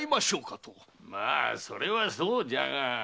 まあそれはそうじゃが。